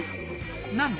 何で？